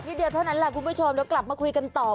รีดีลเท่านั้นล่ะคุณผู้ชมแล้วกลับมาคุยกันต่อ